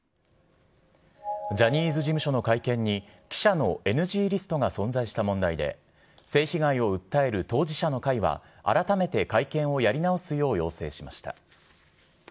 ジャニーズ事務所の会見に記者のＮＧリストが存在した問題で、性被害を訴える当事者の会は、改めて会見をやり直すよう要請しました。